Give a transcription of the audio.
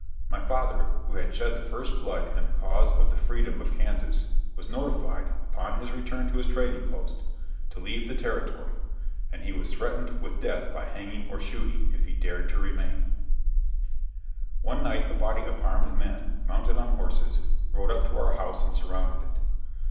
My father, who had shed the first blood in the cause of the freedom of Kansas, was notified, upon his return to his trading post, to leave the territory, and he was threatened with death by hanging or shooting, if he dared to remain. [Illustration: MY FATHER'S ESCAPE] One night a body of armed men, mounted on horses, rode up to our house and surrounded it.